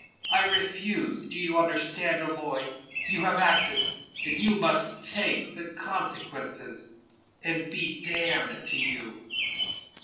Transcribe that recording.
I refuse do you understand? O'Moy, you have acted; and you must take the consequences, and be damned to you."